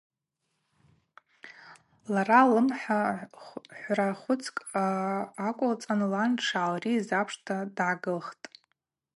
Лара ллымхӏа хӏвра хвыцкӏ аквылцӏан лан дшгӏалрийыз апшта дгӏагылхтӏ.